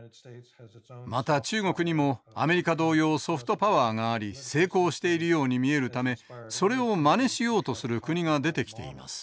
また中国にもアメリカ同様ソフトパワーがあり成功しているように見えるためそれをまねしようとする国が出てきています。